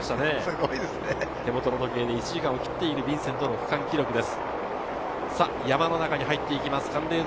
手元の時計で１時間を切っているという区間記録です。